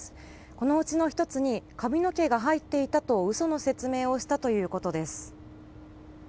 このうちの１つに髪の毛が入っていたと嘘の説明をしたということです。